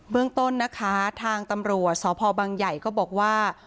เรื่องต้นนะคะทางตำรวจสพบังใหญ่ก็บอกว่า